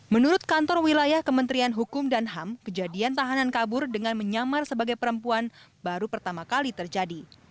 menurut kantor wilayah kementerian hukum dan ham kejadian tahanan kabur dengan menyamar sebagai perempuan baru pertama kali terjadi